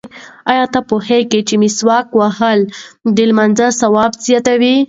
ایا ته پوهېږې چې مسواک وهل د لمانځه ثواب زیاتوي؟